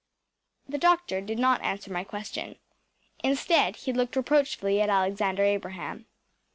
‚ÄĚ The doctor did not answer my question. Instead, he looked reproachfully at Alexander Abraham.